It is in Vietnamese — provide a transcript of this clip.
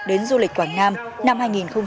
đến du lịch quảng nam năm hai nghìn một mươi sáu